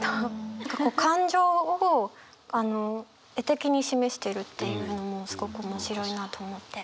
感情を絵的に示してるっていうのもすごく面白いなと思って。